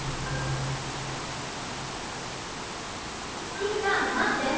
ピンカンまって。